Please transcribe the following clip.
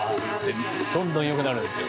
どんどん良くなるんですよ。